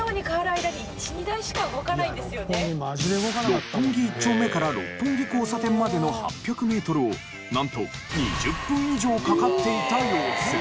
六本木一丁目から六本木交差点までの８００メートルをなんと２０分以上かかっていた様子。